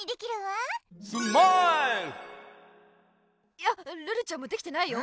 いやルルちゃんもできてないよ。